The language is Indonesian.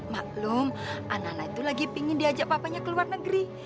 maklum anak anak itu lagi pingin diajak papanya ke luar negeri